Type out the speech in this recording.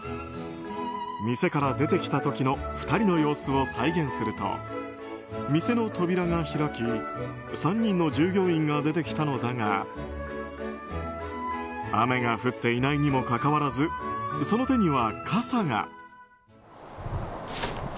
店から出てきた時の２人の様子を再現すると店の扉が開き３人の従業員が出てきたのだが雨が降っていないにもかかわらずその手には、傘が。